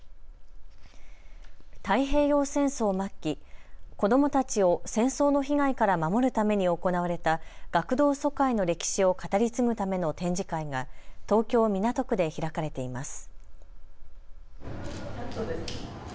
太平洋戦争末期、子どもたちを戦争の被害から守るために行われた学童疎開の歴史を語り継ぐための展示会が東京港区で開かれています。